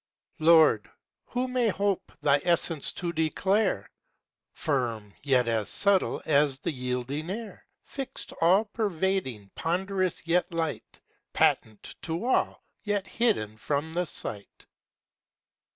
Lord, who may hope thy essence to declare? Firm, yet as subtile as the yielding air: Fixt, all pervading; ponderous, yet light, Patent to all, yet hidden from the sight.